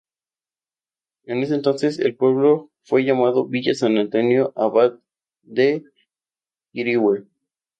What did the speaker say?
En ese entonces, el pueblo fue llamado Villa San Antonio Abad de Quirihue.